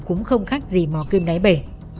cũng không khác gì mò kim đáy bể